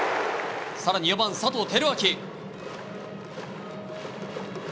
更に４番、佐藤輝明。